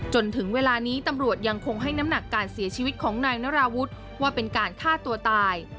จนถึงเวลานี้ตำรวจยังคงให้น้ำหนักการเสียชีวิตของนายนราวุฒิว่าเป็นการฆ่าตัวตาย